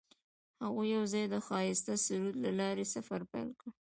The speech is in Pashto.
هغوی یوځای د ښایسته سرود له لارې سفر پیل کړ.